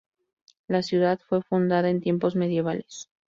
La ciudad fue fundada en tiempos medievales.